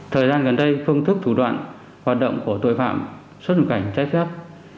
thời gian gần đây phương thức thủ đoạn hoạt động của tội phạm xuất nhập cảnh trái phép